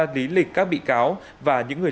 lý lịch các bị cáo và những người